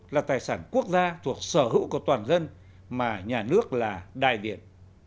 là tài sản quốc gia thuộc sở hữu của toàn dân mà nhà nước là đại điển